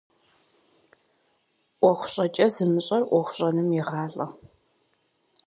Iуэху щIэкIэ зымыщIэр Iуэху щIэным егъалIэ.